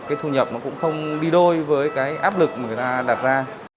cái thu nhập nó cũng không đi đôi với cái áp lực mà người ta đặt ra